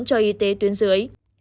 cho y tế tuyến dưới